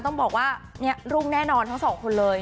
ต้องบอกว่าเนี่ยรุ่งแน่นอนทั้งสองคนเลย